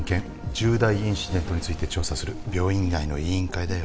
重大インシデントについて調査する病院内の委員会だよ